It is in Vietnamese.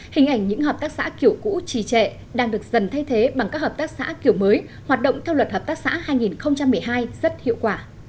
hình ảnh những hợp tác xã kiểu cũ trì trệ đang được dần thay thế bằng các hợp tác xã kiểu mới hoạt động theo luật hợp tác xã hai nghìn một mươi hai rất hiệu quả